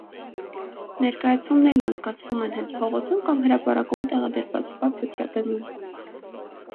Ներկայացումներն անցկացվում են հենց փողոցում կամ հրապարակում տեղադրված բացօթյա բեմում։